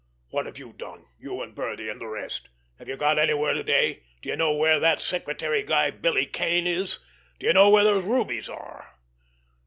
What have you done, you and Birdie, and the rest? Have you got anywhere to day? Do you know where that secretary guy, Billy Kane, is? Do you know where those rubies are?"